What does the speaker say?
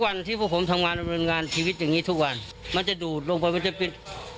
วันที่ผู้ผมทำงานทีวิสยังนี้ทุกวันมันจะโด๖๓มันจะมี